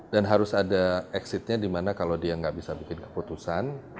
dan harus ada exitnya di mana kalau dia nggak bisa bikin keputusan